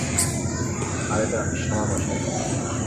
আর এটা শামা মাসি।